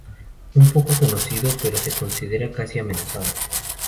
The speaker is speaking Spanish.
Es poco conocido, pero se considera casi amenazado.